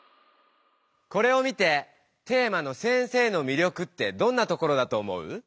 これを見てテーマの先生のみりょくってどんなところだと思う？